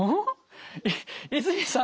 泉さん